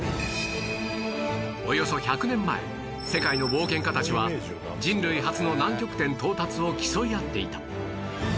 およそ１００年前世界の冒険家たちは人類初の南極点到達を競い合っていた